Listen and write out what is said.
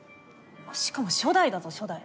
しかも初代だぞ初代。